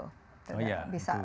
oh ya itu